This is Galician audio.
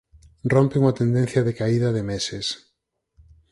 Rompe unha tendencia de caída de meses